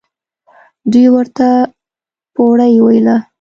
دوى ورته بوړۍ ويله.